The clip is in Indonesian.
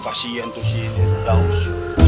kasian tuh si daud